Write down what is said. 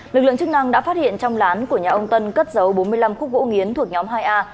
lực lượng chức năng đã phát hiện trong lán của nhà ông tân cất giấu bốn mươi năm khúc gỗ nghiến thuộc nhóm hai a